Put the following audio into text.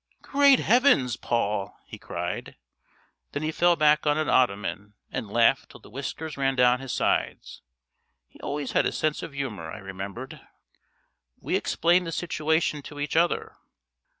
"Great heavens, Paul!" he cried. Then he fell back on an ottoman, and laughed till the whiskers ran down his sides. He always had a sense of humour, I remembered. We explained the situation to each other.